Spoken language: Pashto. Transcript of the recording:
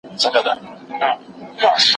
د تجربې تکرار د علم بنسټ دی.